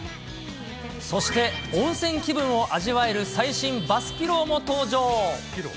そして、温泉気分を味わえる最新バスピローも登場。